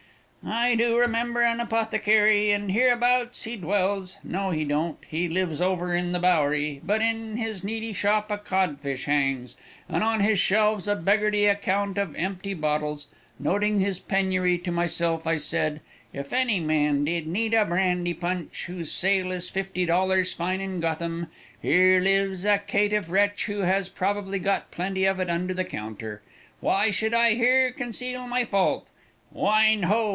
"I do remember an apothecary and here abouts he dwells; no he don't, he lives over in the Bowery but in his needy shop a cod fish hangs, and on his shelves a beggarly account of empty bottles; noting this penury to myself, I said, if any man did need a brandy punch, whose sale is fifty dollars fine in Gotham, here lives a caitiff wretch who has probably got plenty of it under the counter. Why should I here conceal my fault? Wine ho!